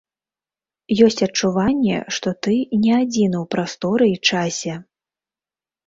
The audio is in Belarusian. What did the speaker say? Ёсць адчуванне, што ты не адзіны ў прасторы і часе.